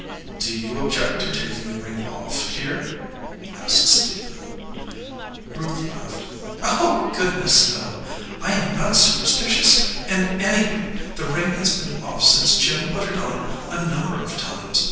"Do you object to taking the ring off, dear?" asked Stephen. Ruth laughed. "Oh, goodness, no! I am not superstitious, and, anyway, the ring has been off since Jim put it on a number of times.